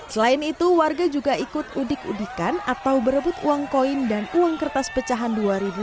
selain itu warga juga ikut udik udikan atau berebut uang koin dan uang kertas pecahan dua ribu dua puluh